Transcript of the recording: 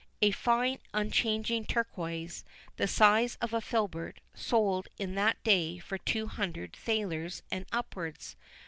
A fine unchanging turquoise, the size of a filbert, sold in that day for two hundred thalers and upwards.